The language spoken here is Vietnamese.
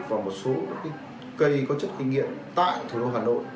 và một số cây có chất kinh nghiệm tại thủ đô hà nội